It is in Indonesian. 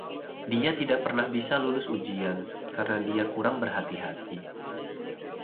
Dia tidak pernah bisa lulus ujian, karena dia kurang berhati-hati.